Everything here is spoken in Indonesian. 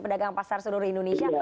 pedagang pasar seluruh indonesia